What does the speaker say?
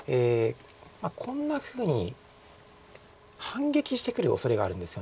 こんなふうに反撃してくるおそれがあるんですよね。